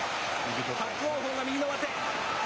伯桜鵬が右の上手。